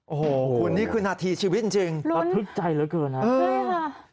โอ้โหคุณนี่คือนาธิชีวิตจริงรับทรึกใจเหลือเกินครับ